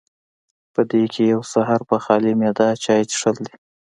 پۀ دې کښې يو سحر پۀ خالي معده چائے څښل دي